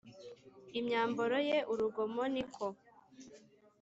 Imyambaro ye urugomo ni ko